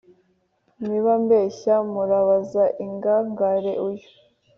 Niba mbeshya murabaze Ingangare uyu